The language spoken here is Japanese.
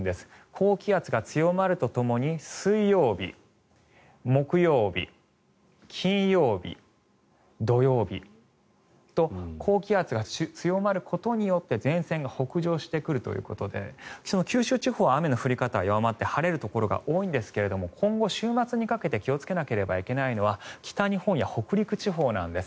高気圧が強まるとともに水曜日、木曜日金曜日、土曜日と高気圧が強まることによって前線が北上してくるということで九州地方は雨の降り方は弱まって晴れるところが多いんですが今後、週末にかけて気をつけないといけないのは北日本や北陸地方なんです。